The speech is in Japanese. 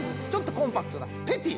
コンパクトなペティ。